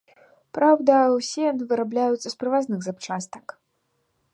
Праўда, усе яны вырабляюцца з прывазных запчастак.